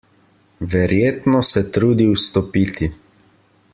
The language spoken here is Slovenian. Verjetno se trudi vstopiti.